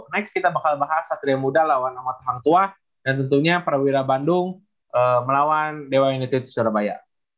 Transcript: next kita bakal bahas satria muda lawan amat hang tua dan tentunya perwira bandung melawan dewa united surabaya